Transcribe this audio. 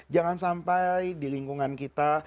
jangan sampai di lingkungan kita